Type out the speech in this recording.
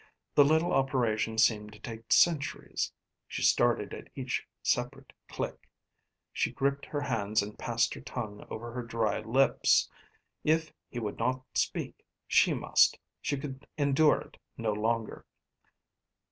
The little operation seemed to take centuries. She started at each separate click. She gripped her hands and passed her tongue over her dry lips. If he would not speak she must, she could endure it no longer.